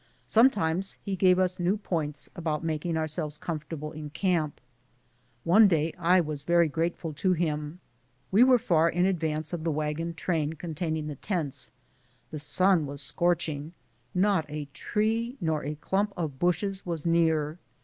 Sometimes he gave us new points about making our selves comfortable in camp. One day I was very grate ful to him. We were far in advance of the wagon train containing the tents ; the sun was scorching; not a tree, nor even a clump of bushes was near.